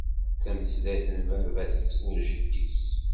D tameslayt n baba-s u jeddi-s.